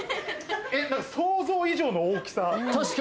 想像以上の大きさ。